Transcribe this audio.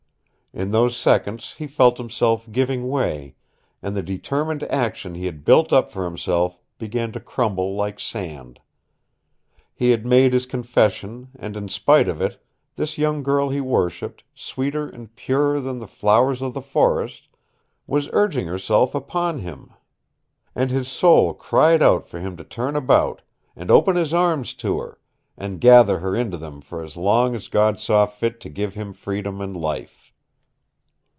In those seconds he felt himself giving way, and the determined action he had built up for himself began to crumble like sand. He had made his confession and in spite of it this young girl he worshipped sweeter and purer than the flowers of the forest was urging herself upon him! And his soul cried out for him to turn about, and open his arms to her, and gather her into them for as long as God saw fit to give him freedom and life.